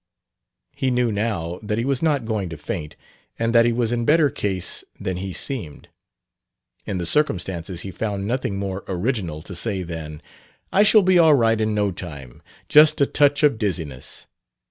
He knew, now, that he was not going to faint, and that he was in better case than he seemed. In the circumstances he found nothing more original to say than: "I shall be all right in no time; just a touch of dizziness...."